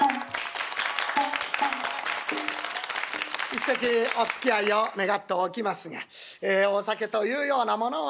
一席おつきあいを願っておきますがええお酒というようなものは１人でね